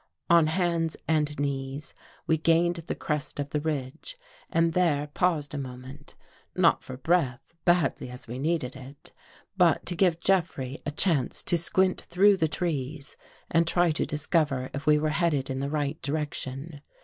On hands and knees, we gained the crest of the ridge and there paused a moment — not for breath, badly as we needed it — but to give Jeffrey a chance to squint through the trees and try to discover if we were headed in the right direction.